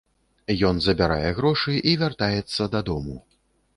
Ён забярае грошы і вяртаецца дадому.